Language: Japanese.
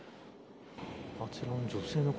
あちらの女性の方